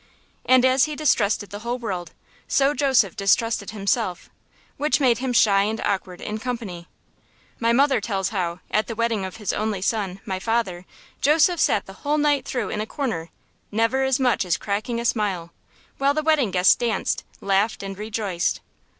And as he distrusted the whole world, so Joseph distrusted himself, which made him shy and awkward in company. My mother tells how, at the wedding of his only son, my father, Joseph sat the whole night through in a corner, never as much as cracking a smile, while the wedding guests danced, laughed, and rejoiced.